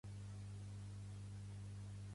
Menjador boví amb nom de cantautora.